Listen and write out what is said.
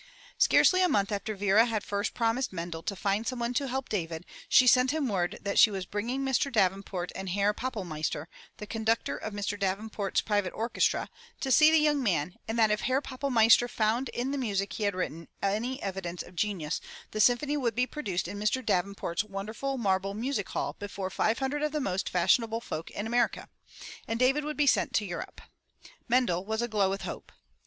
Scarcely a month after Vera had first promised Mendel to find someone to help David, she sent him word that she was bringing Mr. Davenport and Herr Pappelmeister, the conductor of Mr. Davenport's private orchestra, to see the young man, and that if Herr Pappelmeister found in the music he had written any evidence of genius, the symphony would be produced in Mr. Davenport's wonderful marble music hall before five hundred of the most fashionable folk in America, and David would be sent to Europe. Mendel was aglow with hope.